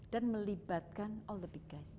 dan melibatkan all the big guys